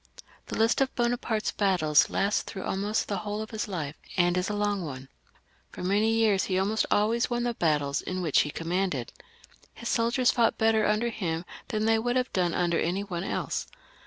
The list of Bonaparte's battles lasts through almost the whole of his life, and is a long one. For many years he almost always won tlie battles in which he commanded. His soldiers fought better under him than they would have done under any one else.